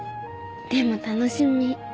でも楽しみ。